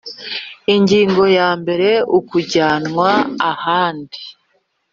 Ingingo ya mbere Ukujyanwa ahandi